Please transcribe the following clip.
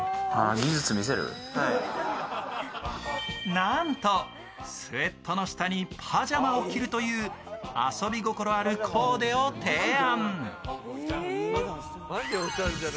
なんと、スエットの下にパジャマを着るという遊び心あるコーデを提案。